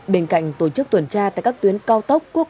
bên cạnh tổ chức tuần tra tại các tuyến cao tốc